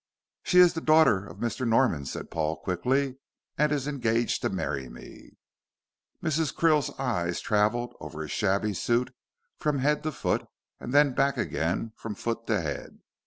"She is the daughter of Mr. Norman," said Paul, quickly, "and is engaged to marry me." Mrs. Krill's eyes travelled over his shabby suit from head to foot, and then back again from foot to head.